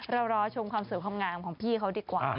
รอชมความสวยความงามของพี่เขาดีกว่า